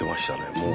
もう。